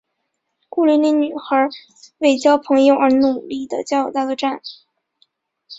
孤零零女孩为交朋友而努力的交友大作战。